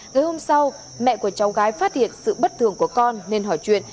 ngày hôm sau mẹ của cháu gái phát hiện sự bất thường của con nên hỏi chuyện